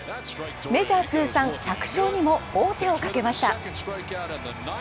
メジャー通算１００勝にも王手をかけました。